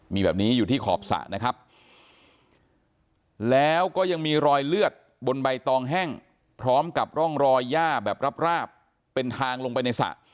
มีแบบนี้อยู่ที่ขอบสระนะครับแล้วก็ยังมีรอยเลือดบนใบตองแห้งพร้อมกับร่องรอยย่าแบบราบเป็นทางลงไปในสระ